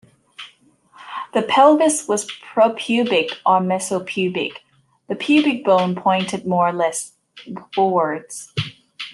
The pelvis was propubic or mesopubic: the pubic bone pointed more or less forwards.